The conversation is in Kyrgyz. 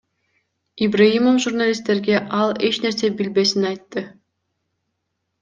Ибраимов журналисттерге ал эч нерсе билбесин айтты.